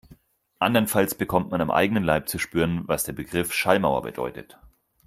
Andernfalls bekommt man am eigenen Leib zu spüren, was der Begriff Schallmauer bedeutet.